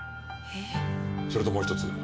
それともう１つ。